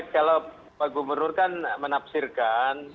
kalau pak gubernur kan menafsirkan